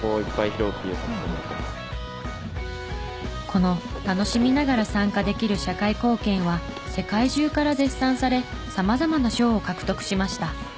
この楽しみながら参加できる社会貢献は世界中から絶賛され様々な賞を獲得しました。